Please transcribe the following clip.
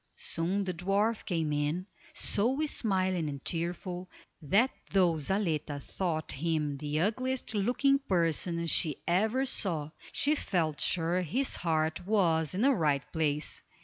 Soon the dwarf came in, so smiling and cheerful, that though Zaletta thought him the ugliest looking person she ever saw, she felt sure his heart was in the right place.